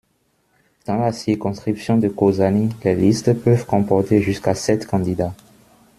Dans la circonscription de Kozani, les listes peuvent comporter jusqu'à sept candidats.